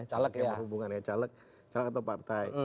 caleg yang berhubungan ya caleg atau partai